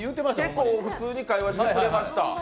結構普通に会話していました。